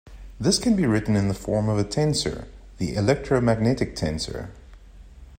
This can be written in the form of a tensor-the electromagnetic tensor.